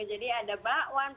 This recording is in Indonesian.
jadi ada bakwan